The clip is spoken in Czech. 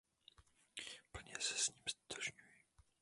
Plně se s ním ztotožňuji.